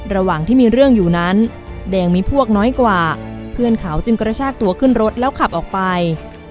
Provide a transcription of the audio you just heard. ระหว่างที่มีเรื่องอยู่นั้นแดงมีพวกน้อยกว่าเพื่อนเขาจึงกระชากตัวขึ้นรถแล้วขับออกไป